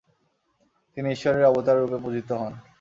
তিনি ঈশ্বরের অবতাররূপে পূজিত হন।